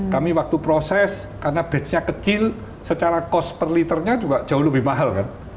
kami waktu proses karena batch nya kecil secara cost per liternya juga jauh lebih mahal kan